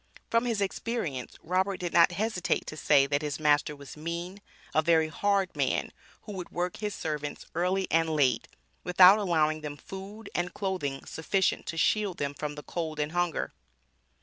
From his experience Robert did not hesitate to say that his master was "mean," "a very hard man," who would work his servants early and late, without allowing them food and clothing sufficient to shield them from the cold and hunger.